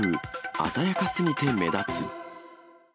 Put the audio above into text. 鮮やかすぎて目立つ。